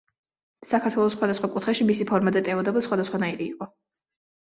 საქართველოს სხვადასხვა კუთხეში მისი ფორმა და ტევადობა სხვადასხვანაირი იყო.